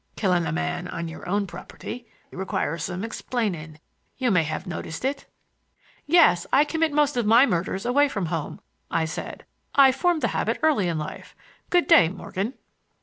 "Killing a man on your own property requires some explaining—you may have noticed it?" "Yes; I commit most of my murders away from home," I said. "I formed the habit early in life. Good day, Morgan."